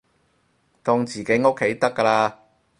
當自己屋企得㗎喇